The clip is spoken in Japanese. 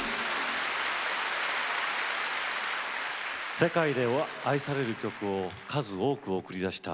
世界で愛される曲を数多く送り出した坂本龍一さん。